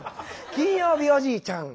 金曜日おじいちゃん。